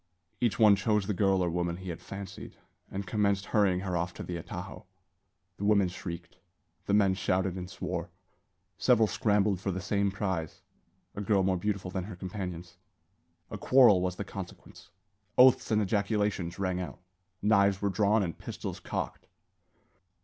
Each one chose the girl or woman he had fancied, and commenced hurrying her off to the atajo. The women shrieked. The men shouted and swore. Several scrambled for the same prize a girl more beautiful than her companions. A quarrel was the consequence. Oaths and ejaculations rang out; knives were drawn and pistols cocked.